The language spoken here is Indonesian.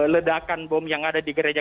ledakan bom yang ada di gereja